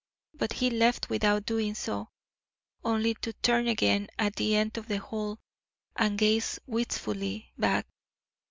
But he left without doing so, only to turn again at the end of the hall and gaze wistfully back.